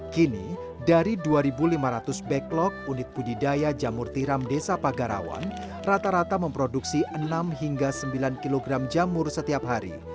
kini dari dua lima ratus backlog unit budidaya jamur tiram desa pagarawan rata rata memproduksi enam hingga sembilan kg jamur setiap hari